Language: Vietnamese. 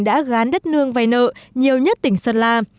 đã gán đất nương vay nợ nhiều nhất tỉnh sơn la